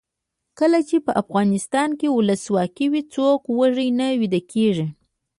کله چې افغانستان کې ولسواکي وي څوک وږی نه ویدېږي.